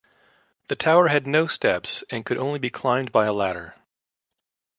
The tower had no steps and could only be climbed by a ladder.